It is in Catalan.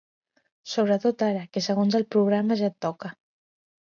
Sobretot ara, que segons el programa ja et toca.